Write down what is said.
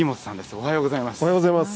おはようございます。